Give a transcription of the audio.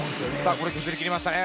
これ削りきりましたね。